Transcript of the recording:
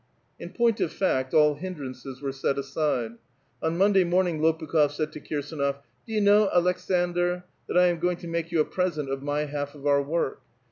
" In point of fact all hindrances were set aside. On Mon day morning Lopukhof said to Kirsdnof: —*• Do you know, Aleksandr, that I am going to make you a present of my half of our work.